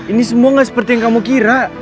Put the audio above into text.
ini semua nggak seperti yang kamu kira